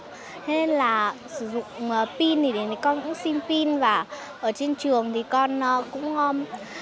thế nên là sử dụng pin thì con cũng xin pin và ở trên trường thì con cũng